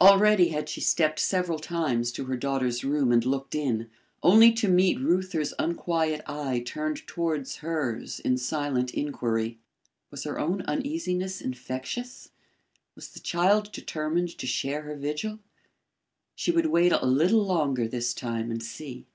Already had she stepped several times to her daughter's room and looked in, only to meet Reuther's unquiet eye turned towards hers in silent inquiry. Was her own uneasiness infectious? Was the child determined to share her vigil? She would wait a little longer this time and see.